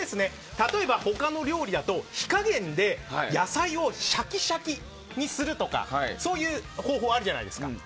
例えば、他の料理だと火加減で野菜をシャキシャキにするとかそういう方法あるじゃないですか。